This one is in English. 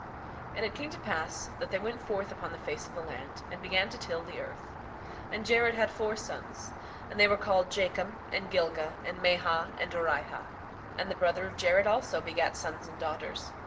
6:13 And it came to pass that they went forth upon the face of the land, and began to till the earth. 6:14 And Jared had four sons; and they were called Jacom, and Gilgah, and Mahah, and Orihah. 6:15 And the brother of Jared also begat sons and daughters.